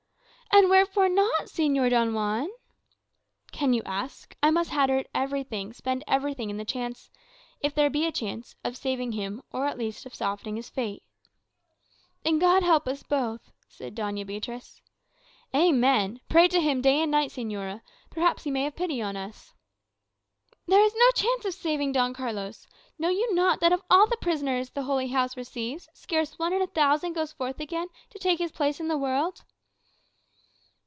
"And wherefore not, Señor Don Juan?" "Can you ask? I must hazard everything, spend everything, in the chance if there be a chance of saving him, or, at least, of softening his fate." "Then God help us both," said Doña Beatriz. "Amen! Pray to him day and night, señora. Perhaps he may have pity on us." "There is no chance of saving Don Carlos. Know you not that of all the prisoners the Holy House receives, scarce one in a thousand goes forth again to take his place in the world?"